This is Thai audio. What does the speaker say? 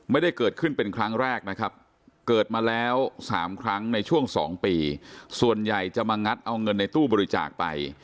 ไม่ได้เกิดขึ้นเป็นครั้งแรกนะครับเกิดมาแล้ว๓ครั้งในช่วง๒ปีส่วนใหญ่จะมางัดเอาเงินในตู้บริจาคไป